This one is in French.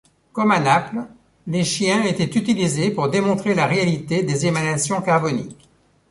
Comme à Naples, les chiens étaient utilisés pour démontrer la réalité des émanations carboniques.